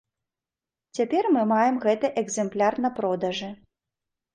Цяпер мы маем гэты экзэмпляр на продажы.